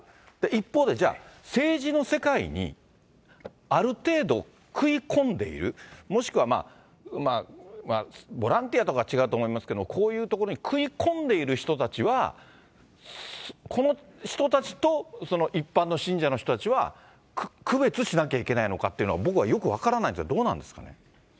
一方でじゃあ、政治の世界にある程度、食い込んでいる、もしくはまあ、ボランティアとか違うと思いますけど、こういうところに食い込んでいる人たちは、この人たちと一般の信者の人たちは区別しなきゃいけないというのは、僕はよく分からないんですが、どうなんですかね。